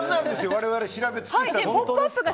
我々、調べ尽くしたんで。